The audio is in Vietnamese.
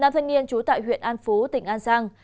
nam thanh niên trú tại huyện an phú tỉnh an giang